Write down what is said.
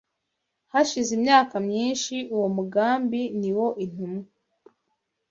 Hashize imyaka myinshi, uwo mugambi ni wo intumwa